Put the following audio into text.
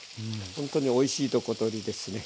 ほんとにおいしいとこ取りですね。